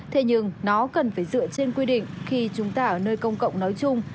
thế nhưng nó cần phải dựa trên quy định khi chúng ta ở nơi công cộng nói chung